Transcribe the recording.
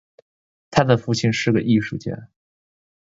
他的父亲是个艺术家。